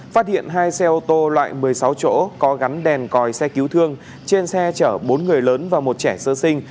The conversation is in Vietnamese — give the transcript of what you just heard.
phát hiện hai xe ô tô loại một mươi sáu chỗ có gắn đèn còi xe cứu thương trên xe chở bốn người lớn và một trẻ sơ sinh